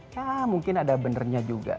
ya mungkin ada benernya juga